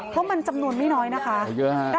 เพราะมันจำนวนไม่น้อยนะคะ